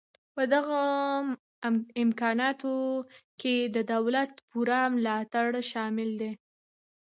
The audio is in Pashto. په دغه امکاناتو کې د دولت پوره ملاتړ شامل دی